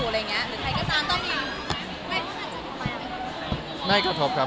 เล็กงานกระทบ